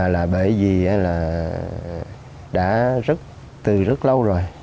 là bởi vì là đã từ rất lâu rồi